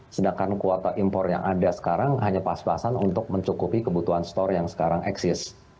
sedangkan kuota impor yang ada sekarang hanya pas pasan untuk mencukupi kebutuhan store yang sekarang eksis